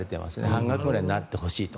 半額ぐらいになってほしいと。